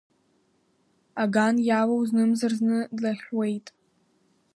Аган иавоу знымзар зны длаҳәуеит.